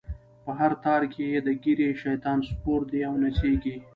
په هر تار کی یی د ږیری، شیطان سپور دی او نڅیږی